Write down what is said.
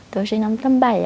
tôi sinh năm năm bảy